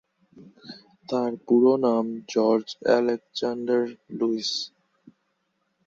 তার পুরো নাম জর্জ আলেকজান্ডার লুইস।